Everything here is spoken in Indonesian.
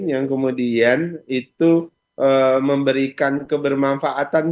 yang kemudian itu memberikan kebermanfaatan